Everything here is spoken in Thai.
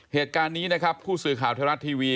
เหตุการณ์นี้ผู้สื่อข่าวไทยรัตน์ทีวี